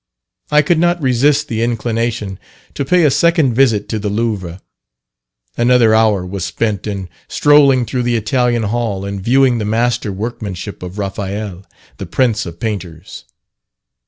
I could not resist the inclination to pay a second visit to the Louvre. Another hour was spent in strolling through the Italian Hall and viewing the master workmanship of Raphael, the prince of painters.